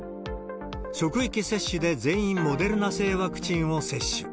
職域接種で全員モデルナ製ワクチンを接種。